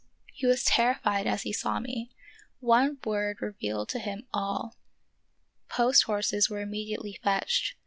He was terrified as he saw me ; one word revealed to him all. Post horses were immediately fetched.